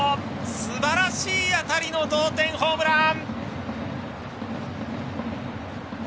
すばらしい当たりの同点ホームラン！